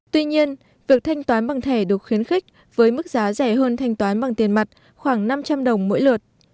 tuy nhiên việc thanh toán bằng thẻ được khuyến khích với mức giá rẻ hơn thanh toán bằng tiền mặt khoảng năm trăm linh đồng mỗi lượt